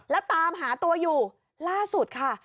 แล้วตามหาตัวอยู่ล่าสุดค่ะ